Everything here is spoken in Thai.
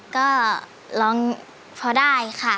ก็ร้องพอได้ค่ะ